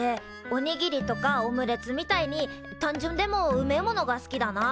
おにぎりとかオムレツみたいに単純でもうめえものが好きだな。